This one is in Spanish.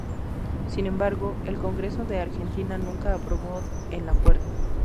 Sin embargo, el Congreso de Argentina nunca aprobó el acuerdo.